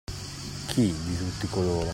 Chi, di tutti coloro?